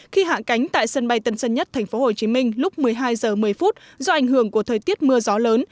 khi hạ cánh tại sân bay tân sân nhất tp hcm lúc một mươi hai h một mươi do ảnh hưởng của thời tiết mưa gió lớn